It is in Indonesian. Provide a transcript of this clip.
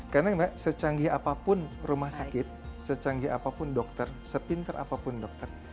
karena mbak secanggih apapun rumah sakit secanggih apapun dokter sepintar apapun dokter